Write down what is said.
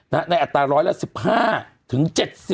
ในอัตราร้อยละ๑๕ถึง๗๐